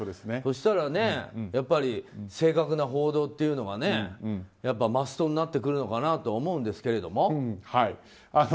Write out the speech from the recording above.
そしたらやっぱり正確な報道というのがやっぱりマストになってくるのかなと思うんですけれども。